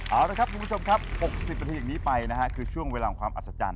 เอาละครับคุณผู้ชมครับ๖๐นาทีอย่างนี้ไปนะฮะคือช่วงเวลาของความอัศจรรย